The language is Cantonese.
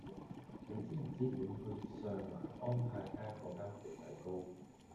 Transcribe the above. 你知唔知點去上環安泰街嗰間缽仔糕